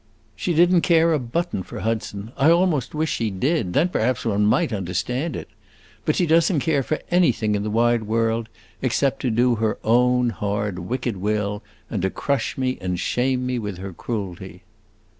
She did n't care a button for Hudson. I almost wish she did; then perhaps one might understand it. But she does n't care for anything in the wide world, except to do her own hard, wicked will, and to crush me and shame me with her cruelty."